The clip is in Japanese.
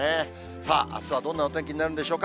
さあ、あすはどんなお天気になるんでしょうか。